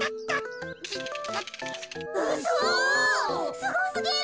すごすぎる！